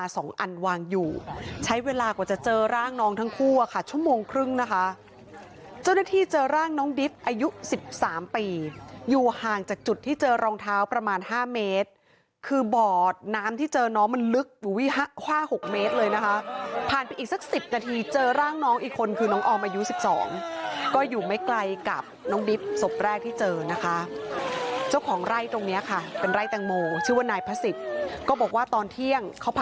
สองอันวางอยู่ใช้เวลากว่าจะเจอร่างน้องทั้งคู่อะค่ะชั่วโมงครึ่งนะคะเจ้าหน้าที่เจอร่างน้องดิบอายุสิบสามปีอยู่ห่างจากจุดที่เจอรองเท้าประมาณห้าเมตรคือบอร์ดน้ำที่เจอน้องมันลึกห้าห้าหกเมตรเลยนะคะผ่านไปอีกสักสิบนาทีเจอร่างน้องอีกคนคือน้องออมอายุสิบสองก็อยู่ไม่ไกลกับน้องดิบศพแรกที่